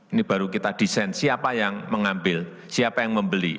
ini baru kita desain siapa yang mengambil siapa yang membeli